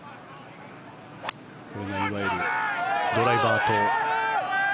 これがいわゆるドライバーと。